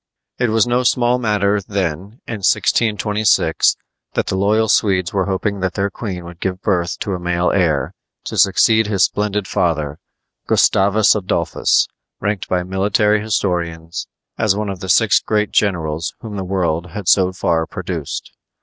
It was no small matter, then, in 1626, that the loyal Swedes were hoping that their queen would give birth to a male heir to succeed his splendid father, Gustavus Adolphus, ranked by military historians as one of the six great generals whom the world had so far produced.